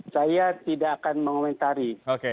saya tidak akan mengomentari